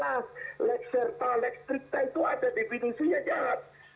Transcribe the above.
lek serta lek stripta itu ada definisinya jahat